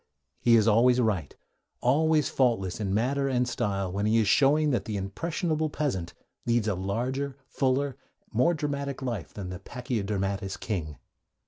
He is always right, always faultless in matter and style, when he is showing that 'the impressionable peasant leads a larger, fuller, more dramatic life than the pachydermatous king.'